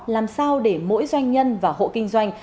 làm sao để mỗi doanh nhân và hộ kinh doanh